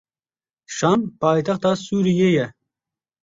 Şam paytexta Sûriyê ye.